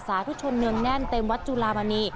สาธุชนเนืองแน่นเต็มวัดจุลามณี